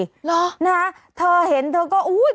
เหรอนะฮะเธอเห็นเธอก็อุ้ย